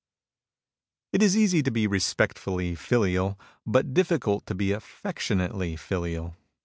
It is easy to be respectfully filial, but difficult to be affectionately filial.